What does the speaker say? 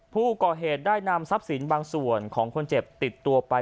ผู้ก่อเหตุได้นำทรัพย์สินบางส่วนของคนเจ็บติดตัวไป